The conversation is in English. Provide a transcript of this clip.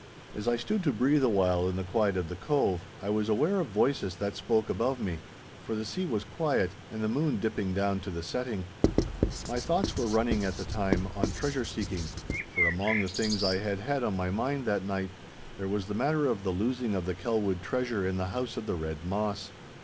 As I stood to breathe a while in the quiet of the cove, I was aware of voices that spoke above me, for the sea was quiet and the moon dipping down to the setting. My thoughts were running at the time on treasure seeking, for among the things I had had on my mind that night there was the matter of the losing of the Kelwood treasure in the House of the Red Moss.